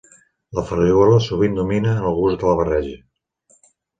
La farigola sovint domina en el gust de la barreja.